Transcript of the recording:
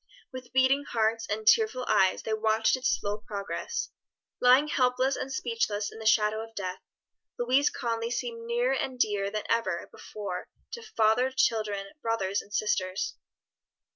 With beating hearts and tearful eyes they watched its slow progress. Lying helpless and speechless in the shadow of death, Louise Conly seemed nearer and dearer than ever before to father, children, brothers and sisters.